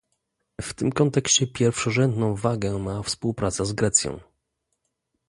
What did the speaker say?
W tym kontekście pierwszorzędną wagę ma współpraca z Grecją